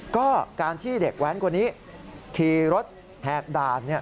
ก็การที่เด็กแว้นคนนี้ขี่รถแหกด่าน